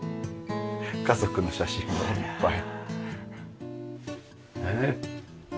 家族の写真をいっぱい。